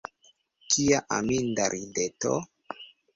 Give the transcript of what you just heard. Kia aminda rideto!